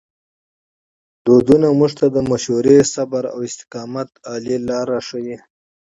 فرهنګ موږ ته د مشورې، صبر او استقامت عالي لارې راښيي.